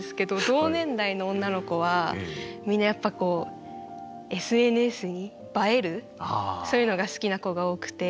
同年代の女の子はみんなやっぱこうＳＮＳに映えるそういうのが好きな子が多くて。